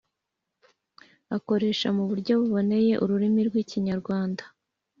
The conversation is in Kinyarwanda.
akoresha mu buryo buboneye ururimi rw’ikinyarwanda;